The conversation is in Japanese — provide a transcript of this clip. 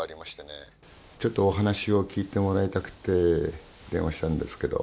ちょっとお話を聞いてもらいたくて電話したんですけど。